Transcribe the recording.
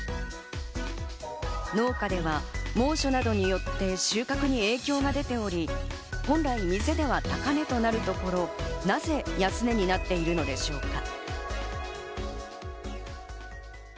農家では猛暑などによって収穫に影響が出ており、本来、店では高値となるところ、なぜ安値になっているのでしょうか。